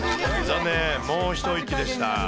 残念、もう一息でした。